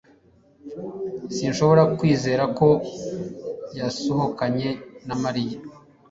Sinshobora kwizera ko yasohokanye na Mariya